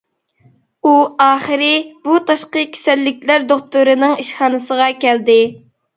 ئۇ ئاخىرى بۇ تاشقى كېسەللىكلەر دوختۇرىنىڭ ئىشخانىسىغا كەلدى.